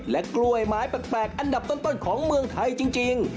กล้วยไม้แปลกอันดับต้นของเมืองไทยจริง